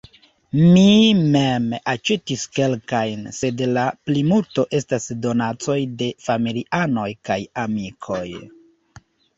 Mi mem aĉetis kelkajn, sed la plimulto estas donacoj de familianoj kaj amikoj.